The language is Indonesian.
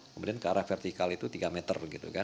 kemudian ke arah vertikal itu tiga meter